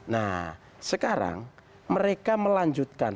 nah sekarang mereka melanjutkan